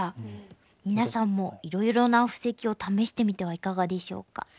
皆さんもいろいろな布石を試してみてはいかがでしょうか？